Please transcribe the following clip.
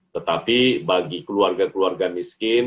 tetapi bagi keluarga keluarga miskin